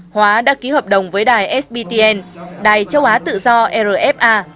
hóa đã ký hợp đồng với đài sbtn đài châu á tự do rfa